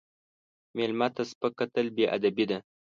مېلمه ته سپک کتل بې ادبي ده.